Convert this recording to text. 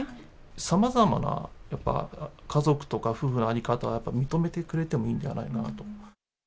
さまざまなやっぱ家族とか、夫婦の在り方を認めてくれてもいいんじゃないかなと。